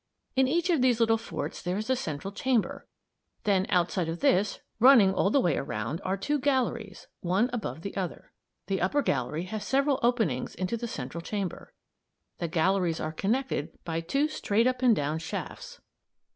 In each of these little forts there is a central chamber; then outside of this, running all the way around, are two galleries, one above the other. The upper gallery has several openings into the central chamber. The galleries are connected by two straight up and down shafts.